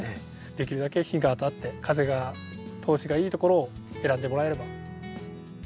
できるだけ日が当たって風が通しがいいところを選んでもらえれば。